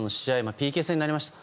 ＰＫ戦になりました。